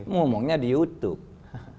ngomongnya di youtube